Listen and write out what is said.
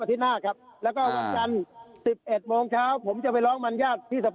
ให้ติดคุกกิจรังได้ยิ่งดีเลยถ้าสมมุติก็ทำผิดนะครับ